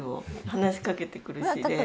話しかけてくるしで。